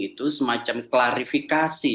itu semacam klarifikasi